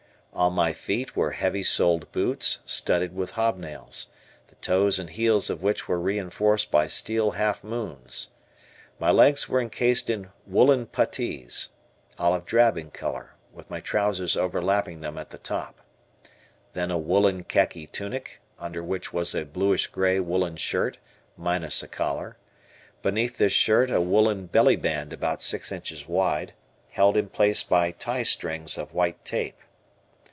On my feet were heavy soled boots, studded with hobnails, the toes and heels of which were reinforced by steel half moons. My legs were encased in woolen puttees, olive drab in color, with my trousers overlapping them at the top. Then a woolen khaki tunic, under which was a bluish gray woolen shirt, minus a collar, beneath this shirt a woolen belly band about six inches wide, held in place by tie strings of white tape.